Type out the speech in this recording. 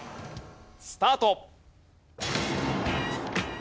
スタート。